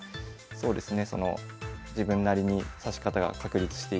そうですね。